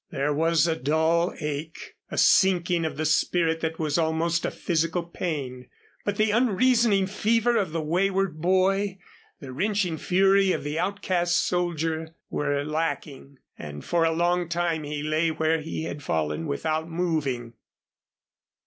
There was a dull ache, a sinking of the spirit that was almost a physical pain; but the unreasoning fever of the wayward boy, the wrenching fury of the outcast soldier were lacking, and for a long time he lay where he had fallen without moving.